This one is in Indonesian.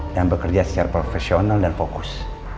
dan bekerja secara profesional dan fokus